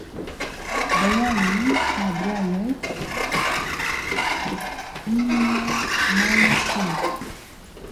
بەیانی کابرایەک بردینیە ماڵە خۆی